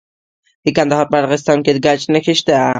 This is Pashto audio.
د کندهار په ارغستان کې د ګچ نښې شته.